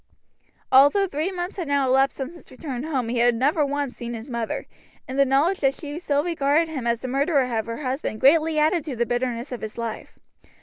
Although three months had now elapsed since his return home he had never once seen his mother, and the knowledge that she still regarded him as the murderer of her husband greatly added to the bitterness of his life.